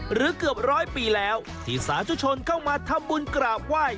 เกือบร้อยปีแล้วที่สาธุชนเข้ามาทำบุญกราบไหว้